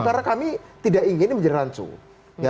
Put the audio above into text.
karena kami tidak ingin berjalan langsung